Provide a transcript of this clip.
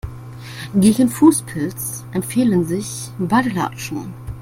Gegen Fußpilz empfehlen sich Badelatschen.